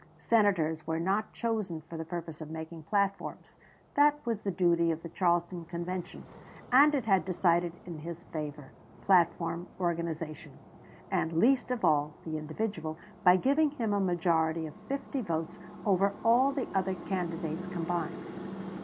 Senators were not chosen for the purpose of making platforms. That was the duty of the Charleston Convention, and it had decided in his favor, platform, organization, and least of all the individual, by giving him a majority of fifty votes over all the other candidates combined.